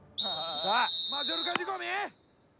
マジョルカ仕込み！